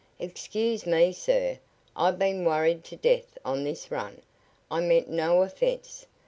"Excuse me, sir. I've been worried to death on this run. I meant no offence.